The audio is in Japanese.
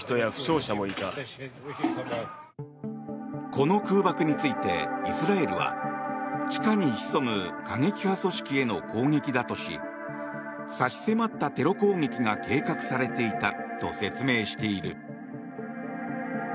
この空爆についてイスラエルは地下に潜む過激派組織への攻撃だとし差し迫ったテロ攻撃が計画されていたと説明している。